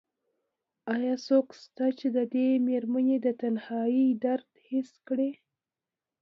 ایا څوک شته چې د دې مېرمنې د تنهایۍ درد حس کړي؟